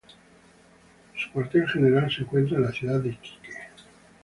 Su cuartel general se encuentra en la ciudad de Iquique.